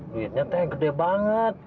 duitnya teh gede banget